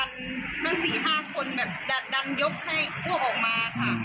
ทั้ง๔๕คนแบบจะดันยกให้พวกออกมาค่ะ